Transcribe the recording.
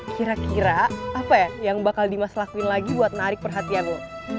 kira kira apa ya yang bakal dimas lakuin lagi buat narik perhatianmu